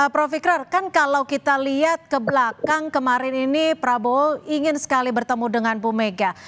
prof ikrar kan kalau kita lihat ke belakang kemarin ini prabowo ingin sekali bertemu dengan bu mega